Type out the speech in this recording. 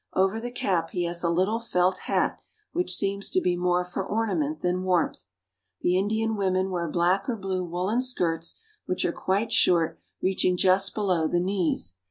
Over the cap he has a little felt hat, which seems to be more for ornament than warmth. The Indian women wear black or blue woolen skirts which are quite short, reaching just below the knees.